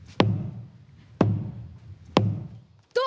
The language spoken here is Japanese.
どう！？